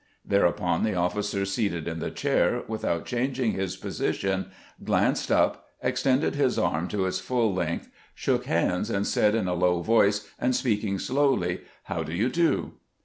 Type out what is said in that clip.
Thereupon the officer seated in the chair, without changing his position, glanced up, extended his arm to its full length, shook hands, and said in a low voice, and speaking slowly, " How do you do?"